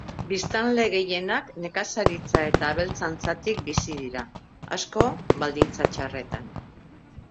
Biztanle gehienak nekazaritza eta abeltzaintzatik bizi dira, asko baldintza txarretan.